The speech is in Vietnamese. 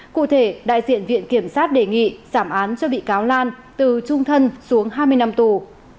cụ thể đại diện viện kiểm sát đề nghị giảm án cho bị cáo lan từ trung thân xuống hai mươi năm tù